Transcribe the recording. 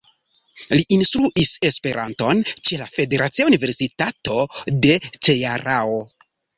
Li instruis Esperanton ĉe la Federacia Universitato de Cearao.